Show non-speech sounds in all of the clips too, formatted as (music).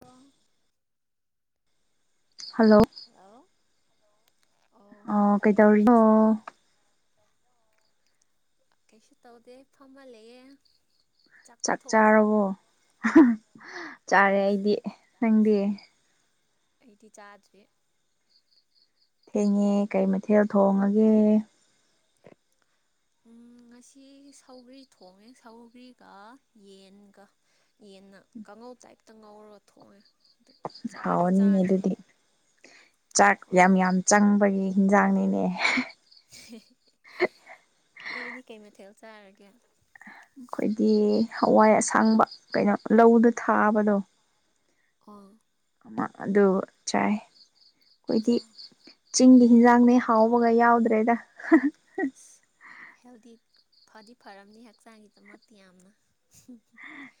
ꯋꯥ (inaudible) hello hello ꯑꯣ ꯀꯩ ꯇꯥꯏꯌꯦ ꯇꯧꯔꯤ ꯐꯖꯅ ꯑꯣ ꯀꯩꯁꯨ ꯇꯧꯗꯦ ꯐꯝꯍꯜ ꯂꯩꯌꯦ ꯆꯥꯛ ꯆꯥꯔꯕꯣ ꯆꯥꯔꯦ ꯑꯩꯗꯤ ꯅꯪꯗꯤ ꯑꯩꯗꯤ ꯆꯥꯗ꯭ꯔꯦ ꯊꯦꯡꯉꯦ ꯀꯩ ꯃꯊꯦꯜ ꯊꯣꯡꯉꯒꯦ ꯎꯝ ꯉꯁꯤ ꯁꯧꯒ꯭ꯔꯤ ꯊꯣꯡꯉꯦ ꯁꯧꯒꯔꯤꯒ ꯌꯦꯟꯒ ꯌꯦꯟꯅ ꯄꯧ ꯆꯥꯏꯞꯇ ꯉꯧꯔꯒ ꯊꯣꯡꯉꯦ ꯑꯗꯨ ꯆꯥꯗꯤ ꯍꯥꯎꯅꯤꯅꯦ ꯆꯥꯗ꯭ꯔꯤ ꯑꯗꯨꯗꯤꯗꯤ ꯆꯥꯛ ꯍꯣꯏ ꯌꯥꯝ ꯌꯥꯝ ꯆꯪꯕꯒꯤ ꯍꯤꯟꯖꯥꯡꯅꯤꯅꯦ ꯅꯣꯏꯗꯤ ꯀꯩ ꯃꯊꯦꯜ ꯆꯥꯔꯒꯦ ꯑꯩꯈꯣꯏꯗꯤ ꯍꯋꯥꯏ ꯑꯁꯥꯡꯕ ꯀꯩꯅꯣ ꯂꯧꯗꯨ ꯊꯥꯕꯗꯣ ꯑꯣ ꯑꯗꯨ ꯆꯥꯏ ꯑꯩꯈꯣꯏꯗꯤ ꯆꯥ ꯆꯤꯡꯒꯤ ꯍꯤꯟꯖꯥꯡꯅꯦ ꯍꯥꯎꯕꯒ ꯌꯥꯎꯗ꯭ꯔꯦꯗ ꯑꯁ ꯍꯦꯜꯗꯤ ꯐꯗꯤ ꯐꯔꯝꯅꯤ ꯍꯛꯆꯥꯡꯒꯤꯗꯃꯛꯇꯤ ꯌꯥꯝꯅ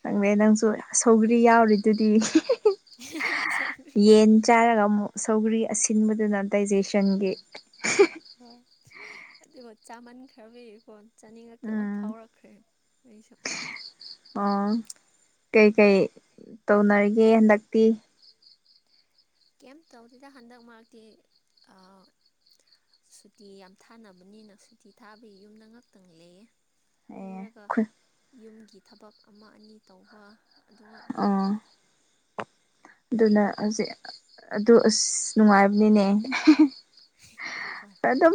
ꯅꯪꯗꯦ ꯅꯪꯁꯨ ꯁꯧꯒ꯭ꯔꯤ ꯌꯥꯎꯔꯤꯗꯨꯗꯤ ꯁ (inaudible) ꯁꯧꯒꯔꯤ ꯑꯁꯤꯟꯕꯗꯨꯅ ꯗꯥꯏꯖꯦꯁꯟꯒꯤ ꯍꯣꯏ ꯑꯗꯨꯗꯤ ꯃ ꯆꯥ ꯃꯥꯟ ꯈꯔꯕꯩ ꯀꯣꯟ ꯆꯥꯅꯤꯡꯉꯛꯇꯕ ꯎꯝ ꯐꯥꯎꯔꯛꯈ꯭ꯔꯦ ꯑꯩꯁꯨ ꯑꯣ ꯀꯩꯀꯩ ꯇꯧꯅꯔꯤꯒꯦ ꯍꯟꯗꯛꯇꯤ ꯀꯦꯝ ꯇꯧꯗꯗ ꯍꯟꯗꯛ ꯃꯔꯛꯇꯤ ꯁꯨꯇꯤ ꯌꯥꯝ ꯊꯥꯅꯕꯅꯤꯅ ꯁꯨꯇꯤ ꯊꯥꯕꯒꯤ ꯌꯨꯝꯗ ꯉꯥꯛꯛꯇꯪ ꯂꯩ ꯑꯦ ꯂꯩꯔꯒ ꯌꯨꯝꯒꯤ ꯊꯕꯛ ꯑꯃ ꯑꯅꯤ ꯇꯧꯕ ꯑꯗꯨꯒ ꯉꯥꯏꯔꯦ ꯑꯣ ꯑꯗꯨꯅ ꯅꯣꯏꯗꯤ ꯍꯧꯖꯤꯛ ꯑꯗꯨ ꯑꯁ ꯅꯨꯡꯉꯥꯏꯕꯅꯤꯅꯦ ꯍꯣꯏ ꯑꯗꯨ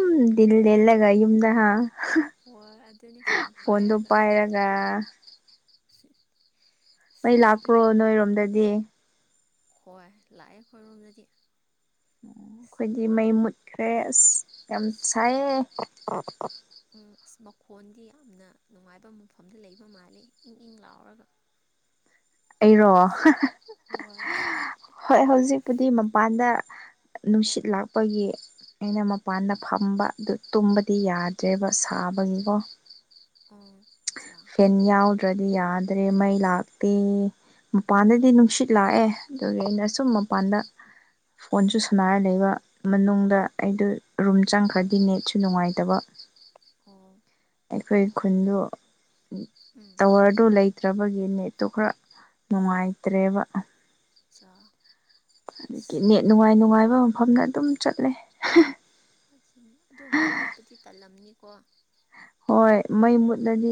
ꯑꯗꯨꯝ ꯂ ꯌꯨꯝꯗ ꯍꯣꯏ ꯑꯗꯨꯅꯤ ꯐꯣꯟ ꯐꯣꯟꯗꯣ ꯄꯥꯏꯔꯒ ꯁꯤ ꯃꯩ ꯂꯥꯛꯄ꯭ꯔꯣ ꯅꯣꯏꯔꯣꯝꯗꯗꯤ ꯍꯣꯏ ꯂꯥꯛꯑꯦ ꯑꯩꯈꯣꯏꯔꯣꯝꯗꯗꯤ ꯑꯁ ꯑꯩꯈꯣꯏꯗꯤ ꯃꯩ ꯃꯨꯠꯈ꯭ꯔꯦ ꯑꯁ ꯌꯥꯝ ꯁꯥꯏꯌꯦ ꯎꯝ ꯑꯁ ꯃꯈꯣꯟꯗꯤ ꯌꯥꯝꯅ ꯅꯨꯡꯉꯥꯏꯕ ꯃꯐꯝꯗ ꯂꯩꯕ ꯃꯥꯜꯂꯦ ꯏꯪ ꯏꯪ ꯂꯥꯎꯔꯒ ꯑꯩꯔꯣ ꯍꯣꯏ ꯍꯣꯏ ꯍꯧꯖꯤꯛꯄꯨꯗꯤ ꯃꯄꯥꯟꯗ ꯅꯨꯡꯁꯤꯠ ꯂꯥꯛꯄꯒꯤ ꯑꯩꯅ ꯃꯄꯥꯟꯗ ꯐꯝꯕ ꯑꯗꯨ ꯇꯨꯝꯕꯗꯤ ꯌꯥꯗ꯭ꯔꯦꯕ ꯆꯥꯕꯒꯤꯀꯣ ꯑꯣ ꯆꯥ ꯑꯗꯨ꯭ꯔꯗꯤ ꯌꯥꯗ꯭ꯔꯦ ꯃꯩ ꯂꯥꯛꯇ ꯃꯄꯥꯟꯗꯗꯤ ꯅꯨꯡꯁꯤꯠ ꯂꯥꯛꯑꯦ ꯑꯗꯨꯒ ꯑꯩꯅ ꯁꯨꯝ ꯃꯄꯥꯟꯗ ꯎꯝ ꯐꯣꯟꯁꯨ ꯁꯅꯥꯔ ꯂꯩꯕ ꯃꯅꯨꯡꯗ ꯑꯩꯗ ꯔꯨꯝ ꯆꯪꯈ꯭ꯔꯗꯤ ꯅꯦꯠꯁꯨ ꯅꯨꯡꯉꯥꯏꯇꯕ ꯑꯣ ꯑꯩꯈꯣꯏ ꯍꯣꯏ ꯈꯨꯟꯗ ꯎꯝ ꯇꯋꯥꯔꯗꯨꯣ ꯂꯩ ꯐꯠꯇ꯭ꯔꯕꯒꯤ ꯅꯦꯠꯇꯣ ꯈꯔ ꯅꯨꯡꯉꯥꯏꯇ꯭ꯔꯦꯕ ꯆ ꯍꯥꯏꯐꯝ ꯃꯐꯝꯅ ꯑꯗꯨꯝ ꯆꯠꯂꯦ ꯠꯅꯦ ꯑꯗꯣ ꯃꯩ ꯃꯨꯠꯄꯗꯤ ꯇꯜꯂꯝꯅꯤꯀꯣ ꯍꯣꯏ ꯃꯩ ꯃꯨꯠꯂꯗꯤ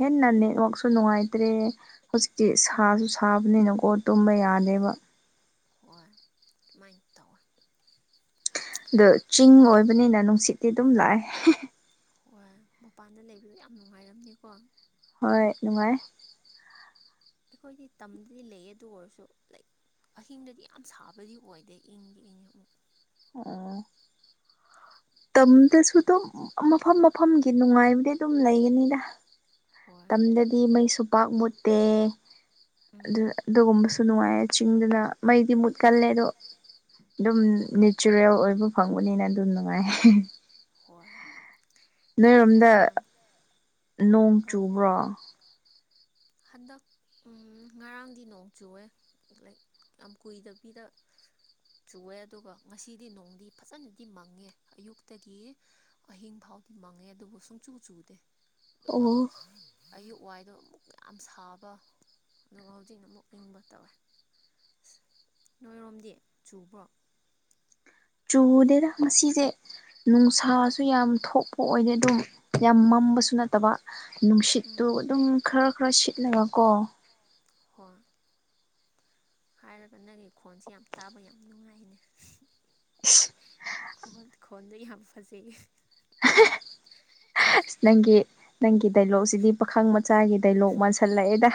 ꯍꯦꯟꯅ ꯅꯦꯠꯋꯥꯛꯁꯨ ꯅꯨꯡꯉꯥꯏꯇ꯭ꯔꯦ ꯍꯧꯖꯤꯛꯇꯤ ꯎꯝ ꯁꯥꯁꯨ ꯁꯥꯕꯅꯤꯅꯀꯣ ꯇꯨꯝꯕ ꯌꯥꯗꯦꯕ ꯍꯣꯏ ꯑꯗꯨꯨꯃꯥꯏꯅ ꯇꯧꯋꯦ ꯑꯗꯣ ꯆꯤꯡ ꯑꯣꯏꯕꯅꯤꯅ ꯅꯨꯡꯁꯤꯠꯇꯤ ꯑꯗꯨꯝ ꯂꯥꯛꯑꯦ ꯍꯣꯏ ꯃꯄꯥꯟꯗ ꯂꯩꯕꯗꯣ ꯌꯥꯝ ꯅꯨꯡꯉꯥꯏꯔꯝꯅꯤꯀꯣ ꯍꯣꯏ ꯉꯅꯨꯡꯉꯥꯏ ꯑꯩꯈꯣꯏꯗꯤ ꯇꯝꯗꯗꯤ ꯂꯩ ꯑꯗꯨ ꯑꯣꯏꯔꯁꯨ ꯂꯩ ꯑꯍꯤꯡꯗꯗꯤ ꯌꯥꯝ ꯁꯥꯕꯗꯤ ꯑꯣꯏꯗꯦ ꯏꯪꯒꯤ ꯏꯉ ꯑꯃꯨꯛ ꯑ ꯇꯝꯗꯁꯨ ꯑꯗꯨꯝ ꯃꯐꯝ ꯃꯐꯝꯒꯤ ꯅꯨꯡꯉꯥꯏꯕꯗꯤ ꯑꯗꯨꯝ ꯂꯩꯒꯅꯤꯗ ꯍꯣꯏ ꯇꯝꯗꯗꯤ ꯃꯩꯁꯨ ꯄꯥꯛ ꯃꯨꯠꯇꯦ ꯎꯝ ꯑꯗꯨꯒꯕ ꯅꯨꯡꯉꯥꯏꯌꯦ ꯆꯤꯡꯗꯨꯅ ꯃꯩꯗꯤ ꯃꯨꯠꯀꯜꯂꯦ ꯑꯗꯣ ꯑꯗꯨꯝ ꯅꯦꯆꯔꯦꯜ ꯑꯣꯏꯕ ꯐꯪꯕꯅꯤꯅ ꯑꯗꯨꯝ ꯅꯨꯡꯉꯥꯏ ꯍꯣꯏ ꯅꯔꯝꯗ ꯆꯥꯛꯇꯤ ꯌꯥꯝ ꯅꯣꯡ ꯑꯧ ꯆꯨꯕ꯭ꯔꯥ ꯍꯟꯗꯛ ꯉꯔꯥꯡꯗꯤ ꯅꯣꯡ ꯆꯨꯑꯦ ꯌꯥꯝ ꯀꯨꯏꯗꯕꯤꯗ ꯆꯨꯑꯦ ꯑꯗꯨꯒ ꯉꯁꯤꯗꯤ ꯅꯣꯡꯗꯤ ꯐꯖꯅꯗꯤ ꯃꯪꯉꯦ ꯑꯌꯨꯛꯇꯒꯤ ꯑꯍꯤꯡ ꯍꯥꯎꯗꯤ ꯃꯪꯉꯦ ꯑꯗꯨꯕꯨ ꯁꯨꯡꯆꯨ ꯆꯨꯗꯦ ꯑꯣ ꯑꯩꯒꯤ ꯋꯥꯏꯗꯣ ꯑꯃꯨꯛ ꯌꯥꯝ ꯁꯥꯕ ꯑꯗꯨꯒ ꯍꯧꯖꯤꯛꯅ ꯑꯃꯨꯛ ꯏꯪꯕ ꯇꯧꯋꯦ ꯅꯣꯏꯔꯣꯝꯗꯤ ꯆꯨꯕ꯭ꯔꯣ ꯆꯨꯗꯦꯅ ꯉꯁꯤꯁꯦ ꯅꯨꯡꯁꯥ ꯁꯨ ꯌꯥꯝ ꯊꯣꯛꯄ ꯑꯣꯏꯗꯦ ꯑꯗꯨꯝ ꯌꯥꯝ ꯃꯝꯕꯁꯨ ꯅꯠꯇꯕ ꯎꯝ ꯅꯨꯡꯁꯤꯠꯇꯨ ꯑꯗꯨꯝ ꯈꯔ ꯈꯔ ꯁꯤꯠꯂꯒ ꯀꯣ ꯍꯣꯏ ꯍꯥꯏꯔꯒ ꯅꯪꯒꯤ ꯈꯣꯟꯁꯦ ꯌꯥꯝ ꯇꯥꯕ ꯌꯥꯝ ꯅꯨꯡꯉꯥꯏꯅꯦ ꯑꯁ ꯈꯣꯟ ꯈꯣꯟꯗ ꯌꯥꯝ ꯐꯖꯩꯌꯦ ꯅꯪꯦ ꯅꯪꯤ ꯗꯥꯏꯂꯣꯛꯁꯤꯗꯤ ꯄꯥꯈꯪ ꯃꯆꯥꯒꯤ ꯗꯥꯏꯂꯣꯛ ꯃꯥꯟꯁꯜꯂꯛꯑꯦꯗ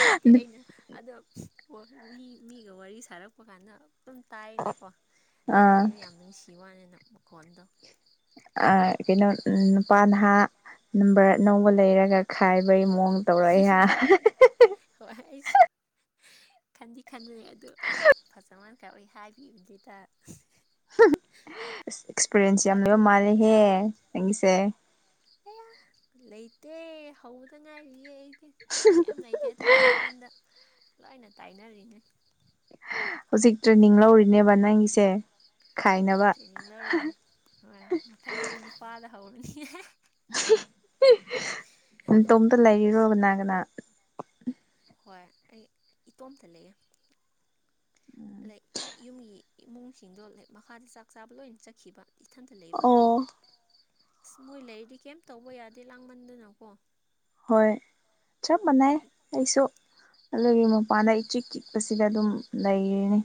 ꯅꯠꯇꯦ ꯑꯩꯅ ꯑꯗꯣ ꯃꯤ ꯃꯤꯒ ꯋꯥꯔꯤ ꯁꯥꯔꯛꯄ ꯀꯥꯟꯗ ꯑꯗꯨꯝ ꯇꯥꯏꯅꯀꯣ ꯑꯥ ꯅꯪꯒꯤꯁꯨ ꯌꯥꯝ ꯅꯨꯡꯁꯤꯕꯅꯤꯅ ꯃꯈꯣꯟꯗꯣ ꯀꯩꯅꯣ ꯅꯨꯄꯥ ꯅꯍꯥ ꯅꯝꯕꯔ ꯑꯅꯧꯕ ꯂꯩꯔꯒ ꯈꯥꯏꯕ ꯑꯩꯩ ꯃꯑꯣꯡ ꯇꯧꯔꯛꯑꯍ ꯍꯣꯏ ꯑꯩꯁꯨ ꯈꯟꯗꯤ ꯈꯟꯗꯅꯦ ꯑꯗꯨꯗ ꯐꯖ ꯃꯅ ꯈꯥꯏ ꯑꯣꯏ ꯍꯥꯏꯕꯤꯕꯗꯨꯗ ꯑꯦꯛꯁꯄꯤꯔꯤꯌꯦꯟꯁ ꯌꯥꯝ ꯆꯥꯛꯇꯤ ꯂꯩꯣꯏꯕ ꯌꯥꯝ ꯃꯥꯜꯂꯦꯍꯦ ꯅꯪꯒꯤꯁꯦ ꯑꯦ ꯂꯩꯇꯦ ꯍꯧꯕꯗ ꯉꯥꯏꯔꯤꯌꯦ ꯀꯩ ꯂꯩꯇꯦ ꯑꯗꯨꯒꯤ ꯅꯉꯣꯟꯗ ꯂꯣꯏꯅ ꯇꯥꯏꯅꯔꯤꯉꯩ ꯍꯧꯖꯤꯛ ꯇ꯭ꯔꯦꯅꯤꯡ ꯂꯧꯔꯤꯅꯦꯕ ꯅꯪꯒꯤꯁꯦ ꯈꯥꯏꯅꯕ ꯇ꯭ꯔꯦꯅꯤꯡ ꯂꯧꯔꯏꯅꯦ ꯍꯣꯏ ꯃꯊꯪꯗꯗꯤ ꯅꯨꯄꯥꯗ ꯍꯧꯔꯅꯤꯍꯦ ꯏꯇꯣꯝꯇ ꯂꯩꯔꯣꯕꯅꯥꯒꯅ ꯍꯣꯏ ꯑꯩ ꯏꯇꯣꯝꯇ ꯂꯩꯑꯦ ꯌꯨꯝꯒꯤ ꯏꯃꯨꯡꯁꯤꯡꯗꯣ ꯂꯥꯏꯛ ꯃꯈꯥꯗ ꯆꯥꯛ ꯆꯥꯕ ꯂꯣꯏꯅ ꯆꯠꯈꯤꯕ ꯏꯊꯟꯇ ꯂꯩꯕ ꯑꯣ ꯑꯗꯨꯗꯒꯤ ꯑꯁ ꯃꯣꯏ ꯂꯩꯗꯤ ꯀꯩꯝ ꯇꯧꯕ ꯌꯥꯗꯦ ꯂꯥꯡꯃꯟꯗꯅꯀꯣ ꯍ ꯆꯞ ꯃꯅꯥꯏ ꯑꯩꯁꯨꯣ ꯑꯗꯨꯒꯤ ꯃꯄꯥꯟꯗ ꯏꯆꯤꯛ ꯏꯤꯛꯄꯁꯤꯗ ꯑꯗꯨꯝ ꯂꯩꯔꯤꯅꯤ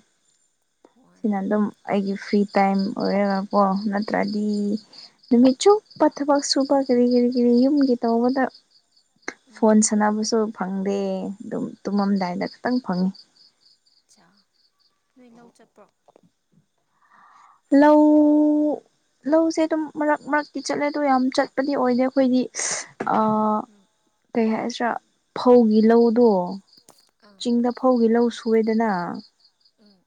ꯍꯣꯏ ꯁꯤꯅ ꯑꯗꯨꯝ ꯑꯩꯒꯤ ꯐ꯭ꯔꯤ ꯇꯥꯏꯝ ꯑꯣꯏꯔꯒꯀꯣ ꯅꯠꯇ꯭ꯔꯗꯤ ꯎꯝ ꯅꯨꯃꯤꯠ ꯆꯨꯞꯄ ꯊꯕꯛ ꯁꯨꯕ ꯀꯔꯤ ꯀꯔꯤ ꯀꯔꯤ ꯌꯨꯝꯒꯤ ꯇꯧꯕꯗ ꯐꯣꯟ ꯎꯝ ꯁꯥꯟꯅꯕꯁꯨ ꯐꯪꯗꯦ ꯑꯗꯨꯝ ꯇꯨꯝꯃꯝꯗꯥꯏꯗ ꯈꯇꯪ ꯐꯪꯉꯤ ꯆꯥ ꯅꯣꯏ ꯂꯧ ꯆꯠꯄ꯭ꯔꯣ ꯂꯧ ꯂꯧꯁꯦ ꯑꯗꯨꯝ ꯃꯔꯛ ꯃꯔꯛꯇꯤ ꯆꯠꯂꯦ ꯑꯗꯨ ꯌꯥꯝ ꯆꯠꯄꯗꯤ ꯑꯣꯏꯗꯦ ꯑꯩꯈꯣꯏꯗꯤ ꯎꯝ ꯀꯩ ꯍꯥꯏꯁꯤ꯭ꯔꯥ ꯐꯧꯒꯤ ꯂꯧꯗꯣ ꯑꯥ ꯆꯤꯡꯗ ꯐꯧꯒꯤ ꯂꯧ ꯁꯨꯔꯦꯗꯅ ꯎꯝ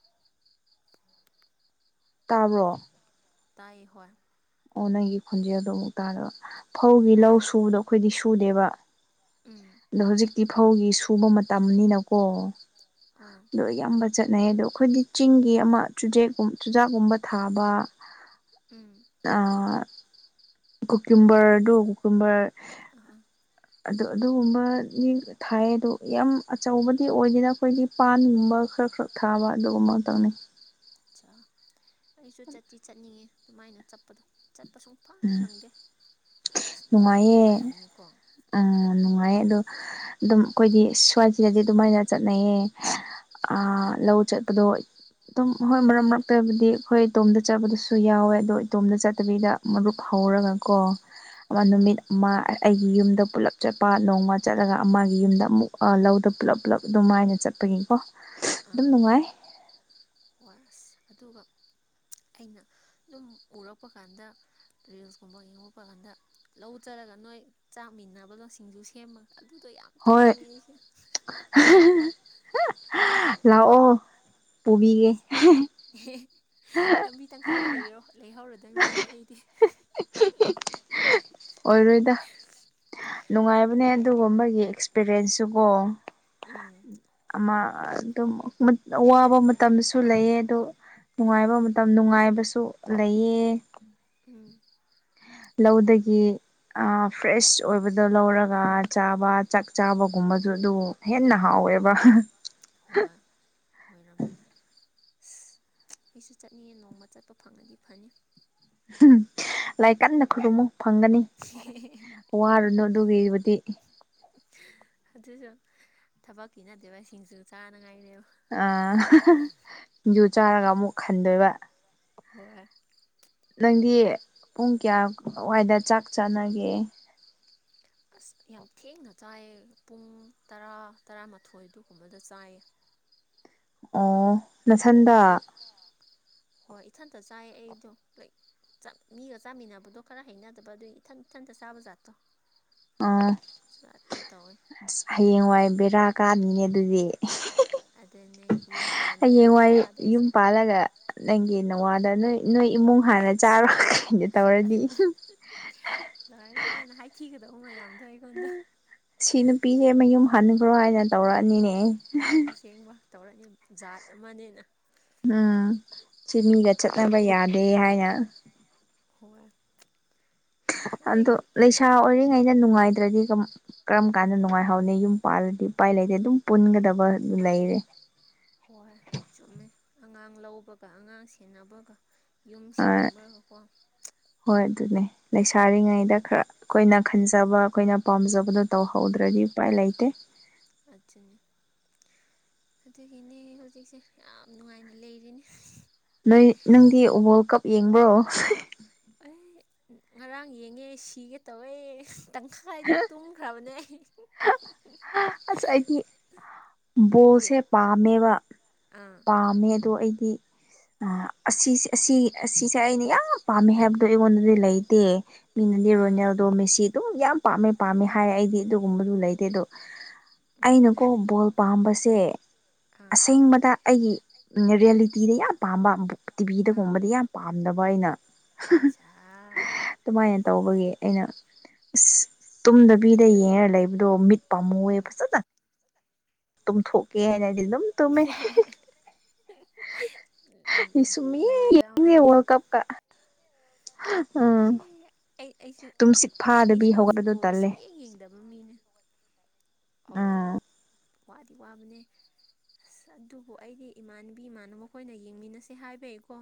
ꯇꯥꯔꯛ ꯇꯥꯏ ꯍꯣꯏ ꯑꯣ ꯅꯪꯒꯤ ꯈꯣꯟꯖꯦꯜꯗꯣ ꯑꯃꯨꯛ ꯇꯥꯗꯕ ꯐꯧꯒꯤ ꯑꯣ ꯂꯧ ꯁꯨꯕꯗꯣ ꯑꯩꯈꯣꯏꯗꯤ ꯁꯨꯗꯦꯕ ꯎꯝ ꯑꯗꯣ ꯍꯧꯖꯤꯛꯇꯤ ꯐꯧꯒꯤ ꯁꯨꯕ ꯃꯇꯝꯅꯤꯅꯀꯣ ꯑꯥ ꯂ ꯌꯥꯝꯝꯕ ꯆꯠꯅꯩ ꯑꯗꯣ ꯑꯩꯈꯣꯏꯗꯤ ꯆꯤꯡꯒꯤ ꯑꯃ ꯆꯨꯖꯦꯛꯀꯨꯝ ꯆꯨꯖꯥꯛꯀꯨꯝꯕ ꯊꯥꯕ ꯎꯝ ꯀꯣꯀꯤꯨꯝꯕꯔꯗꯨꯣ ꯀꯣꯀꯤꯨꯝꯕꯔ ꯑ ꯑꯗꯨ ꯑꯗꯨꯒꯨꯝꯕꯗꯤ ꯊꯥꯏ ꯑꯗꯣ ꯌꯥꯝ ꯑꯆꯧꯕꯗꯤ ꯑꯣꯏꯗꯦꯅ ꯑꯩꯈꯣꯏꯗꯤ ꯄꯥꯟꯒꯨꯝꯕ ꯈꯔ ꯈꯔꯛ ꯊꯥꯕ ꯑꯗꯨꯒꯨꯝꯕ ꯇꯧꯅꯤ ꯑꯆꯥ ꯑꯩꯁꯨ ꯆꯁꯤ ꯆꯠꯅꯤꯡꯉꯦ ꯑꯗꯨꯃꯥꯏꯅ ꯆꯠꯄꯗꯣ ꯆꯠꯄ ꯁ ꯐꯪ ꯐꯪꯗꯦ ꯑꯁ ꯅꯨꯡꯉꯥꯏꯗꯤ ꯅꯨꯡꯉꯥꯏꯌꯦꯦ ꯅꯨꯡꯉꯥꯏꯔꯝꯅꯤꯀꯣ ꯎꯝ ꯍꯣꯏ ꯅꯨꯡꯉꯥꯏꯌꯦ ꯑꯗꯣ ꯑꯗꯨꯝ ꯑꯩꯈꯣꯏꯗꯤ ꯁꯋꯥꯏꯁꯤꯗꯗꯤ ꯑꯗꯨꯃꯥꯏꯅ ꯆꯠꯅꯩꯌꯦ ꯑ ꯎꯝ ꯂꯧ ꯆꯠꯄꯗꯣ ꯑꯗꯨꯝ ꯍꯣꯏ ꯃꯔꯛ ꯃꯔꯛꯇꯕꯗꯤ ꯑꯩꯈꯣꯏ ꯏꯇꯣꯝꯗ ꯆꯠꯄꯗꯨꯁꯨ ꯌꯥꯎꯋꯦ ꯑꯗꯣ ꯏꯇꯣꯝꯗ ꯆꯠꯇꯕꯤꯗ ꯃꯔꯨꯞ ꯎꯝ ꯍꯧꯔꯒꯀꯣ ꯑꯃ ꯍꯣꯏ ꯅꯨꯃꯤꯠ ꯑꯃ ꯑꯩꯒꯤ ꯌꯨꯝꯗ ꯄꯨꯂꯞ ꯆꯠꯄ ꯅꯣꯡꯃ ꯆꯠꯂꯒ ꯑꯃꯒꯤ ꯌꯨꯝꯗ ꯑꯃꯨꯛ ꯂꯧꯗ ꯄꯨꯂꯞ ꯄꯨꯂꯞ ꯑꯗꯨꯃꯥꯏꯅ ꯆꯠꯄꯒꯤꯀꯣ ꯑ ꯑꯗꯨꯝ ꯅꯨꯡꯉꯥꯏ ꯍꯣꯏ ꯑꯁ ꯑꯗꯨꯒ ꯑꯩꯅ ꯑꯗꯨꯝ ꯎꯔꯛꯄ ꯀꯥꯟꯗ ꯔꯤꯜꯁꯀꯨꯝꯕ ꯌꯦꯡꯉꯣꯛꯄ ꯀꯥꯟꯗ ꯂꯧꯖꯔꯒ ꯅꯣꯏ ꯆꯥꯛꯃꯤꯟꯅꯕ ꯂꯧꯣꯁꯤꯡꯁꯨ ꯁꯦꯝꯃꯒ ꯑꯗꯨꯗꯣ ꯌꯥꯝ ꯍꯣꯏ ꯇꯧꯅꯤꯡꯉꯦ ꯑꯩꯁꯦ ꯂꯥꯛꯑꯣ ꯄꯨꯕꯤꯒꯦ ꯑꯦ ꯂꯝꯕꯤ ꯇꯪꯈꯥꯏꯗ ꯂꯩꯔꯣ ꯂꯩꯍꯣ ꯑꯗꯨꯗ ꯃꯥꯂ ꯍꯗꯤ ꯑꯣꯏꯔꯣꯏꯗ ꯅꯨꯡꯉꯥꯏꯕꯅꯦ ꯑꯗꯨꯒꯨꯝꯕꯒꯤ ꯑꯦꯛꯁꯄꯤꯔꯤꯌꯦꯟꯁꯁꯨ ꯀꯣ ꯎꯝ ꯑꯗꯨꯝ ꯋꯥꯕ ꯃꯇꯝꯁꯨ ꯂꯩꯑ ꯑꯗ ꯅꯨꯡꯉꯥꯏꯕ ꯃꯇꯝ ꯅꯨꯡꯉꯥꯏꯕꯁꯨ ꯂꯩꯌꯦ ꯎꯝ ꯍꯣꯏ ꯂꯧꯗꯒꯤ ꯐ꯭ꯔꯦꯁ ꯑꯣꯏꯕꯗꯣ ꯂꯧꯔꯒ ꯆꯥꯕ ꯆꯥꯛ ꯆꯥꯕꯒꯨꯝꯕꯁꯨ ꯑꯗꯨ ꯍꯦꯟꯅ ꯍꯥꯎꯋꯦꯕ ꯎꯝ ꯍꯣꯏ ꯁ ꯑꯩꯁꯨ ꯆꯠꯅꯤꯡꯌꯦ ꯅꯣꯡꯃ ꯆꯠꯄ ꯐꯪꯉꯗꯤ ꯐꯅꯤ ꯝ ꯂꯥꯏ ꯀꯟꯅ ꯈꯨꯔꯨꯝꯃꯨ ꯐꯪꯒꯅꯤ ꯋꯥꯔꯨꯅꯨ ꯑꯗꯨꯒꯤꯕꯨꯗꯤ ꯑꯗꯨꯁꯨ ꯊꯕꯛꯀꯤ ꯅꯠꯇꯦꯕ ꯁꯤꯡꯁꯨ ꯆꯥꯅꯉꯥꯏꯔꯦꯕ ꯑꯥ ꯁꯤꯡꯖꯨ ꯆꯥꯔꯒ ꯑꯃꯨꯛ ꯈꯟꯗꯣꯏꯕ ꯍꯣꯏ ꯅꯪꯗꯤ ꯄꯨꯡ ꯀꯌꯥꯋꯥꯏꯗ ꯆꯥꯛ ꯆꯥꯅꯒꯦ ꯑꯁ ꯌꯥꯝ ꯊꯦꯡꯅ ꯆꯥꯏꯌꯦ ꯄꯨꯡ ꯇꯔꯥ ꯇꯔꯥꯃꯥꯊꯣꯏ ꯑꯗꯨꯒꯨꯝꯕꯗ ꯆꯥꯏꯌꯦ ꯑꯣ ꯅꯁꯟꯗ ꯑꯌꯨꯛ ꯍꯣꯏ ꯏꯊꯟꯇ ꯆꯥꯏꯌꯦ ꯑꯩꯗꯣ ꯂꯥꯏꯛ ꯃꯤꯒ ꯆꯥꯃꯤꯟꯅꯕꯗꯣ ꯈꯔ ꯍꯩꯅꯗꯕ ꯑꯗꯨꯒꯤ ꯏꯊꯟ ꯏꯊꯟꯇ ꯆꯥꯕ ꯖꯥꯠꯇꯣ ꯑ ꯑꯗꯨ ꯇꯧꯋꯦ ꯑꯁ ꯍꯌꯦꯡꯋꯥꯏ ꯕꯦꯔꯥ ꯀꯥꯅꯤꯅꯦ ꯑꯗꯨꯗꯤ ꯑꯗꯨꯅꯦ ꯌꯨꯝ ꯄꯥꯟꯕꯗꯅꯦ ꯍꯌꯦꯡꯋꯥꯏ ꯋꯥꯗ ꯌꯨꯝ ꯑꯩꯁꯦ ꯄꯥꯜꯂꯒ ꯅꯪꯒꯤ ꯅꯋꯥꯗ ꯅꯣꯏ ꯅꯣꯏ ꯏꯃꯨꯡ ꯍꯥꯟꯅ ꯆꯥꯔꯣꯏ ꯗꯦ ꯇꯧꯔꯗꯤ ꯑꯗꯨꯅꯦ ꯍ ꯌꯥꯝ ꯁꯤ ꯅꯨꯄꯤꯁꯦ ꯃꯌꯨꯝ ꯍꯟꯈ꯭ꯔꯣ ꯍꯥꯏꯅ ꯇꯧꯔꯛꯑꯅꯤꯅꯦ ꯑꯁꯦꯡꯕ ꯇꯧꯔꯅꯤ ꯖꯥꯠ ꯑꯃꯅꯦꯅ ꯎꯝ ꯆꯃꯤꯒ ꯆꯠꯅꯕ ꯌꯥꯗꯦ ꯍꯥꯏꯅ ꯍꯣꯏ ꯑꯗꯣ ꯑꯗꯒꯤ ꯂꯩꯁꯥ ꯑꯣꯏꯔꯤꯉꯩꯩꯅ ꯅꯨꯡꯉꯥꯏꯗ꯭ꯔꯗꯤ ꯀꯔꯝ ꯀꯥꯟꯗ ꯅꯨꯡꯉꯥꯏꯍꯧꯅꯤ ꯌꯨꯝ ꯄꯥꯜꯂꯗꯤ ꯎꯄꯥꯏ ꯂꯩꯇꯦ ꯑꯗꯨꯝ ꯄꯨꯟꯒꯗꯕ ꯂꯩꯔꯦ ꯍꯣꯏ ꯆꯨꯝꯃꯦ ꯑꯉꯥꯡ ꯂꯧꯕꯒ ꯑꯉꯥꯡ ꯁꯦꯟꯅꯕꯒ ꯌꯨꯝ ꯑꯥ ꯁꯦꯡꯕꯒꯀꯣ ꯍꯣꯏ ꯑꯗꯨꯅꯦ ꯂꯩꯁꯥꯔꯤꯉꯩꯗ ꯈꯔ ꯑꯩꯈꯣꯏꯅ ꯈꯟꯖꯕ ꯑꯩꯈꯣꯏꯅ ꯄꯥꯝꯖꯕꯗꯨꯣ ꯇꯧꯍꯧꯗ꯭ꯔꯗꯤ ꯎꯄꯥꯏ ꯂꯩ ꯂꯩꯇꯩ ꯑꯗꯨꯆ ꯑꯗꯨꯒꯤꯅꯦ ꯍꯧꯖꯤꯛꯁꯦ ꯌꯥꯝ ꯅꯨꯡꯉꯥꯏꯅ ꯂꯩꯔꯤꯅꯤ ꯅꯣꯏ ꯅꯪꯗꯤ ꯋꯥꯔꯜ ꯀꯞ ꯌꯦꯡꯕ꯭ꯔꯣ ꯑꯦ ꯉꯔꯥꯡ ꯌꯦꯡꯉꯦ ꯁꯤꯒꯦ ꯇꯧꯋꯦ ꯇꯪꯈꯥꯏꯗ ꯇꯨꯝꯈ꯭ꯔꯕꯅꯦ ꯑꯩ ꯑꯁ ꯑꯩꯗꯤ ꯅꯣꯏꯗꯤ ꯕꯣꯜꯁꯦ ꯄꯥꯝꯃꯦꯕ ꯑꯥ ꯄꯥꯝꯃꯦ ꯑꯗꯣ ꯑꯩꯗꯤ ꯑ ꯑꯁꯤ ꯑꯁꯤ ꯑꯁꯤꯁꯦ ꯑꯩꯅ ꯌꯥꯝ ꯄꯥꯝꯃꯦ ꯍꯥꯏꯕꯗꯣ ꯑꯩꯉꯣꯟꯗꯗꯤ ꯂꯩꯇꯦ ꯃꯤꯅꯗꯤ ꯑꯥ ꯔꯣꯅꯦꯜꯗꯣ ꯃꯤꯦꯁꯤ ꯑꯗꯨꯝ ꯌꯥꯝ ꯄꯥꯝꯃꯦ ꯄꯥꯝꯃꯦ ꯍꯥꯏ ꯑꯩꯗꯤ ꯑꯗꯨꯒꯨꯝꯕꯗꯨ ꯂꯩꯗꯦ ꯑꯗꯣ ꯎꯝ ꯑꯩꯅꯀꯣ ꯕꯣꯜ ꯄꯥꯝꯕꯁꯦ ꯑꯥ ꯑꯁꯦꯡꯕꯗ ꯑꯩꯒꯤ ꯔꯤꯌꯦꯂꯤꯇꯤꯗ ꯌꯥꯝ ꯄꯥꯝꯕ ꯑꯥ ꯇꯤꯚꯤꯗꯒꯨꯝꯕꯗ ꯌꯥꯝ ꯄꯥꯝꯗꯕ ꯑꯩꯅ ꯆꯥ ꯑꯗꯨꯃꯥꯏꯅ ꯇꯧꯕꯒꯤ ꯑꯩꯅ ꯑꯁ ꯇꯨꯝꯗꯕꯤꯗ ꯌꯦꯡꯉ ꯂꯩꯕꯗꯣ ꯃꯤꯠ ꯄꯥꯝꯃꯨꯑꯦ ꯐꯖꯅ ꯇ ꯊꯣꯛꯀꯅꯗꯤ ꯑꯗꯨ ꯇ ꯎꯝ ꯁꯃꯤ ꯅꯨꯡꯉꯥꯏꯕ ꯌꯦꯦ ꯑꯃꯅꯤ ꯋꯥꯔꯜ ꯀꯞ ꯀ ꯑꯝ ꯑꯩ ꯑꯩ ꯑꯩꯁꯨ ꯑꯩꯁꯨꯀꯣ ꯐꯨꯠꯕꯣꯜꯗ ꯇꯜꯂꯦ ꯁꯨꯡꯌꯦ ꯌꯦꯡꯗꯕ ꯃꯤꯅꯦ ꯑ ꯎꯝ ꯋꯥꯗꯤ ꯋꯥꯕꯅꯦ ꯑꯁ ꯑꯗꯨꯕꯨ ꯑꯩꯗꯤ ꯏꯃꯥꯟꯕꯤ ꯏꯃꯥꯟꯅꯕ ꯃꯈꯣꯏꯅ ꯌꯦꯡꯃꯤꯟꯅꯁꯦ ꯍꯥꯏꯕ ꯑꯩꯀꯣ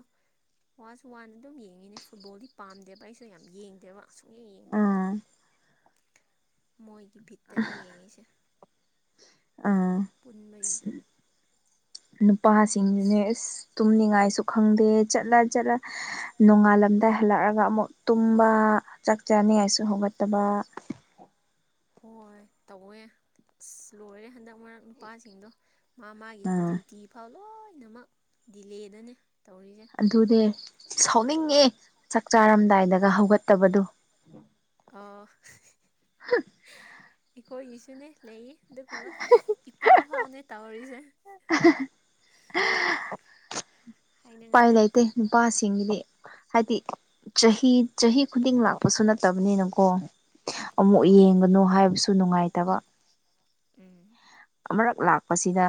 ꯋꯥꯁ ꯋꯥꯟꯗ ꯑꯗꯨꯝ ꯌꯦꯡꯉꯤꯅꯦ ꯐꯨꯠꯕꯣꯜꯗꯤ ꯄꯥꯝꯗꯦꯕ ꯑꯩꯁꯨ ꯌꯥꯝ ꯌꯦꯡꯗꯦꯕ ꯑꯁꯨꯛ ꯌꯦꯡ ꯌꯦꯡꯗꯦꯕ ꯎꯝ ꯃꯣꯏꯒꯤ ꯚꯤꯠꯇꯅ ꯌꯦꯡꯉꯤꯁꯦ ꯎꯝ ꯄꯨꯟ ꯃꯔꯤꯩꯅ ꯅꯨꯄꯥꯁꯤꯡꯗꯨꯅꯦ ꯑꯁ ꯇꯨꯝꯅꯤꯡꯉꯥꯏꯁꯨ ꯈꯪꯗꯦ ꯆꯠꯂ ꯆꯠꯂ ꯅꯣꯡꯉꯥꯜꯂ ꯃꯇꯝꯗ ꯍꯜꯂꯛꯑꯒ ꯑꯃꯨꯛ ꯇꯨꯝꯕ ꯆꯥꯛ ꯆꯥꯅꯤꯉꯥꯏꯁꯨ ꯍꯧꯒꯠꯇꯕ ꯍꯣꯏ ꯇꯧꯋꯦ ꯑꯁ ꯂꯣꯏꯔꯦ ꯍꯟꯗꯛ ꯃꯔꯛ ꯅꯨꯄꯥꯁꯤꯡꯗꯣ ꯃꯥ ꯃꯥꯒꯤ ꯎꯝ ꯗ꯭ꯌꯨꯇꯤ ꯐꯥꯎ ꯂꯣꯏꯅꯃꯛ ꯗꯤꯂꯦꯗꯅꯤ ꯑꯗꯨꯅꯦ ꯁꯥꯎꯅꯤꯡꯉꯦ ꯆꯥꯛ ꯆꯥꯔꯝꯗꯥꯏꯗꯒ ꯍꯧꯒꯠꯇꯕꯗꯣ ꯑ ꯏꯈꯣꯏ ꯏꯁꯤꯅꯦ ꯂꯩꯌꯦ ꯑꯗꯨꯒꯣ ꯏꯄꯥ ꯐꯥꯎꯅꯦ ꯇꯧꯔꯤꯁꯦ (unintelligible) (inaudible) ꯄꯥꯏ ꯂꯩꯇꯦ ꯅꯨꯄꯥꯁꯤꯡꯒꯤꯗꯤ ꯍꯥꯏꯗꯤ ꯆꯍꯤ ꯆꯍꯤ ꯈꯨꯗꯤꯡ ꯂꯥꯛꯄꯁꯨ ꯅꯠꯇꯕꯅꯤꯅꯀꯣ ꯑꯃꯨꯛ ꯍꯣꯏ ꯌꯦꯡꯒꯅꯨ ꯍꯥꯏꯕꯁꯨ ꯅꯨꯡꯉꯥꯏꯇꯕ ꯎꯝ ꯑꯃꯨꯔꯛ ꯂꯥꯛꯄꯁꯤꯗ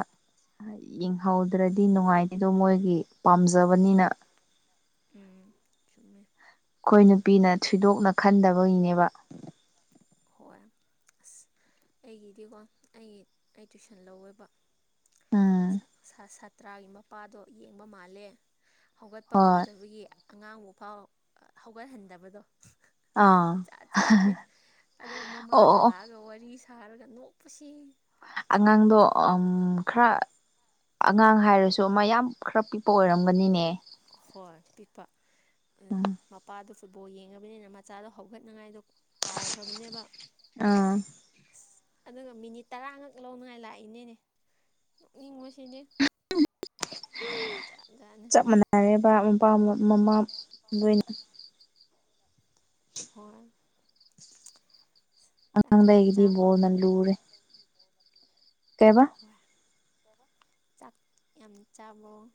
ꯌꯦꯡꯍꯧꯗ꯭ꯔꯗꯤ ꯅꯨꯡꯉꯥꯏꯇꯦꯗꯣ ꯃꯣꯏꯒꯤ ꯄꯥꯝꯖꯕꯅꯤꯅ ꯎꯝ ꯆꯨꯝꯃꯦ ꯑꯩꯈꯣꯏ ꯅꯨꯄꯤꯅ ꯊꯣꯏꯗꯣꯛꯅ ꯈꯟꯗꯕꯒꯤꯅꯦꯕ ꯍꯣꯏ ꯑꯁ ꯑꯁ ꯑꯩꯒꯤꯗꯤꯀꯣ ꯑꯩꯒꯤ ꯑꯩ ꯇꯨꯏꯁꯟ ꯂꯧꯋꯦꯕ ꯎꯝ ꯁꯥꯇ꯭ꯔꯥꯒꯤ ꯃꯄꯥꯗꯣ ꯌꯦꯡꯕ ꯃꯥꯜꯂꯦ ꯍꯧꯒꯠꯄ ꯍꯣꯏ ꯉꯝꯗꯕꯒꯤ ꯑꯉꯥꯡꯕꯨ ꯐꯥꯎ ꯍꯧꯒꯠꯍꯟꯗꯕꯗꯣ ꯑꯥ ꯖꯥꯠ ꯖꯥꯠꯅꯤ ꯑꯗꯨꯒ ꯑꯣ ꯃꯃꯥꯅ ꯑꯣ ꯑꯣ ꯂꯥꯛꯑꯒ ꯋꯥꯔꯤ ꯁꯥꯔꯒ ꯅꯣꯛꯄꯁꯤ ꯑꯉꯥꯡꯗꯣ ꯈꯔ ꯑꯉꯥꯡ ꯍꯥꯏꯔꯁꯨ ꯃꯌꯥꯝ ꯈꯔ ꯄꯤꯛꯄ ꯑꯣꯏꯔꯝꯒꯅꯤꯅꯦ ꯍꯣꯏ ꯄꯤꯛꯄ ꯑꯗꯨ ꯎꯝ ꯃꯄꯥꯗꯨꯁꯨ ꯕꫭꯜ ꯌꯦꯡꯉꯕꯅꯤꯅ ꯃꯆꯥꯗꯣ ꯍꯧꯒꯠꯅꯉꯥꯏꯗꯣ ꯀꯥꯎꯈ꯭ꯔꯕꯅꯦꯕ ꯑꯥ ꯑꯁ ꯑꯗꯨꯒ ꯃꯤꯅꯤꯠ ꯇꯔꯥꯉꯛ ꯂꯧꯅꯉꯥꯏ ꯂꯥꯛꯏꯅꯦꯅꯦ ꯅꯣꯛꯅꯤꯡꯕꯁ ꯖꯥꯠ ꯖꯥꯠꯅꯤ ꯆꯞ ꯃꯥꯟꯅꯔꯦꯕ ꯑꯄꯥꯝꯕ ꯃꯃꯥ ꯂꯣꯏꯅ ꯍꫭꯏ ꯑꯉꯥꯡ ꯗꯩꯗꯤ ꯆꯥꯕ꯭ꯔꯣ ꯕꫭꯜꯅꯥ ꯂꯨꯔꯦ ꯀꯩꯏꯕ ꯍꯣꯏ ꯆꯥꯛ ꯌꯥꯝ ꯆꯥꯕꯔꫭ